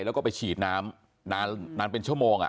แล้วก็ไปฉีดน้ำนานเป็นชั่วโมง